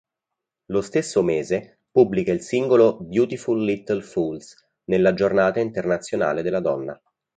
Lo stesso mese, pubblica il singolo "Beautiful Little Fools" nella Giornata internazionale della donna.